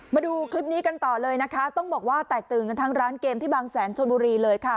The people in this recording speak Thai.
มาดูคลิปนี้กันต่อเลยนะคะต้องบอกว่าแตกตื่นกันทั้งร้านเกมที่บางแสนชนบุรีเลยค่ะ